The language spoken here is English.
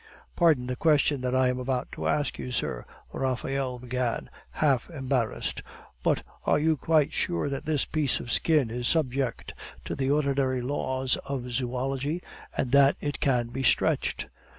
"Pardon the question that I am about to ask you, sir," Raphael began, half embarrassed, "but are you quite sure that this piece of skin is subject to the ordinary laws of zoology, and that it can be stretched?"